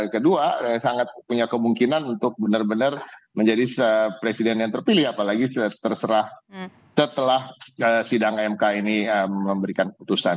kedua sangat punya kemungkinan untuk benar benar menjadi presiden yang terpilih apalagi setelah sidang mk ini memberikan keputusan